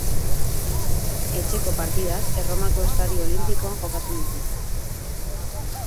Etxeko partidak Erromako Estadio Olinpikoan jokatzen ditu.